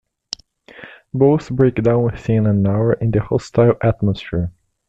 Both break down within an hour in the hostile atmosphere.